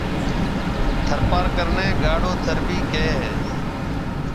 ٿر پارڪر نيَ گاڙھو ٿر ڀِي ڪيَ ھيََََ